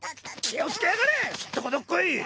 気をつけやがれすっとこどっこい！